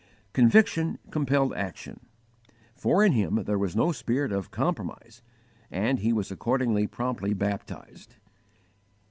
Conviction compelled action, for in him there was no spirit of compromise; and he was accordingly promptly baptized.